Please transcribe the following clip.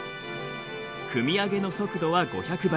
組み上げの速度は５００倍。